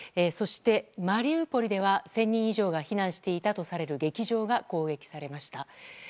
そして、マリウポリでは１０００人以上が避難していたとされる劇場が攻撃されました。